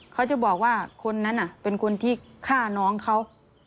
เขาจะบอกว่าคนนั้นเป็นคนที่ฆ่าน้องเขา